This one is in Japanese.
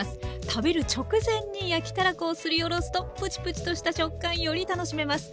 食べる直前に焼きたらこをすりおろすとプチプチとした食感より楽しめます。